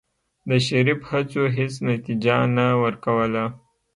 د شريف هڅو هېڅ نتيجه نه ورکوله.